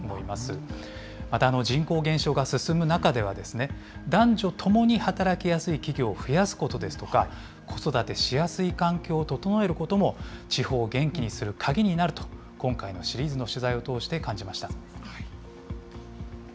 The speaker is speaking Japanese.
また人口減少が進む中では、男女ともに働きやすい企業を増やすことですとか、子育てしやすい環境を整えることも、地方を元気にする鍵になると、今回のシリーズの取材を通して感じました。